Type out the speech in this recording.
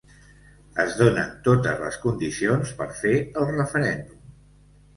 Es donen totes les condicions per fer el referèndum.